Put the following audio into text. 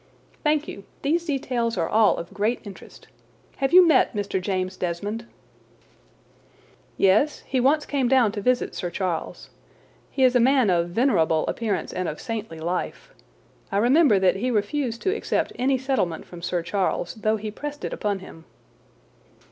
"Thank you. These details are all of great interest. Have you met Mr. James Desmond?" "Yes; he once came down to visit Sir Charles. He is a man of venerable appearance and of saintly life. I remember that he refused to accept any settlement from Sir Charles, though he pressed it upon him."